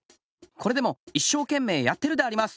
これでもいっしょうけんめいやってるであります。